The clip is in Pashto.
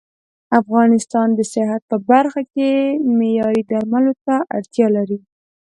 افغانستان د صحت په برخه کې معياري درملو ته اړتيا لري